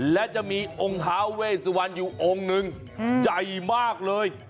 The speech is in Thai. และจะมีองค์ท้าเวสวันอยู่องค์หนึ่งใหญ่มากเลย